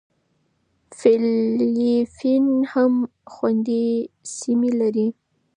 فېلېپین هم خوندي سیمې لري.